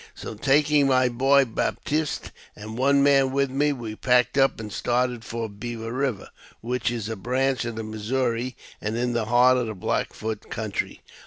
So, taking my boy Baptiste and one man. with me, we packed up and started for Beaver Eiver, which is a branch of the Missouri, and in the heart of the Black Foot country.